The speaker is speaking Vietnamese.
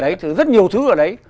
đấy rất nhiều thứ ở đấy